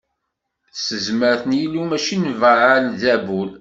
S tezmert n Yillu mačči n Baɛal Zabul.